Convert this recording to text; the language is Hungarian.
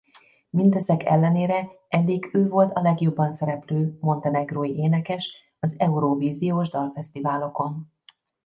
Mindezek ellenére eddig ő volt a legjobban szereplő montenegrói énekes az Eurovíziós Dalfesztiválokon.